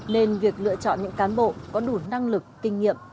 nên việc lựa chọn những cán bộ có đủ năng lực kinh nghiệm